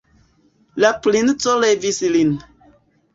La princo levis lin.